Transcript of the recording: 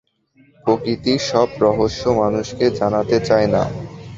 প্রকৃতি সব রহস্য মানুষকে জানাতে চায় না।